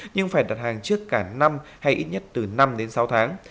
nhưng phải đặt hàng trước cả năm hay ít nhất từ năm đến sáu tháng